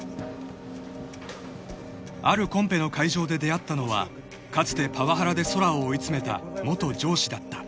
［あるコンペの会場で出会ったのはかつてパワハラで空を追い詰めた元上司だった］